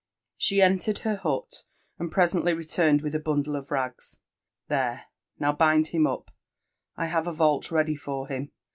.. She entered her hut, and presently returned with a bundle of rags There—now bind him up. I have a vault ready for him.